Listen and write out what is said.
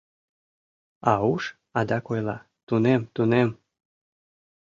А уш адак ойла: — Тунем, тунем!